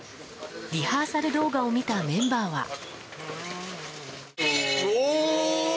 リハーサル動画を見たメンバーは。